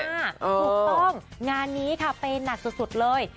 ถูกต้องงานนี้ค่ะเปย์หนักสุดเลย